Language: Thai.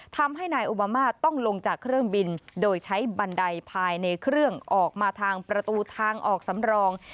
ทำให้นายโอบามาต้องลงจากเครื่องบินโดยใช้บันไดภายในเครื่องออกมาทางประตูทางออกสำรอง